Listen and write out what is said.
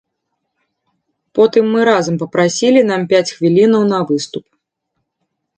Потым мы разам папрасілі нам пяць хвілінаў на выступ.